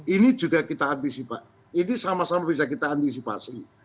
ini juga kita antisipasi ini sama sama bisa kita antisipasi